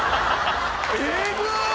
えぐっ！